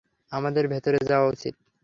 আমাদের ভেতরে যাওয়া উচিৎ।